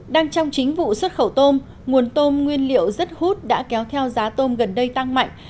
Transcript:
đang trong chính vụ xuất khẩu tôm nguồn tôm nguyên liệu rất hút đã kéo theo giá tôm gần đây tăng mạnh